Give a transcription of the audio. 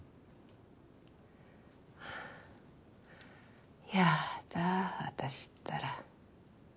はぁやだ私ったら。